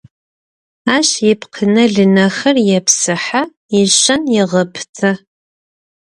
Ащ ипкъынэ-лынэхэр епсыхьэ, ишэн егъэпытэ.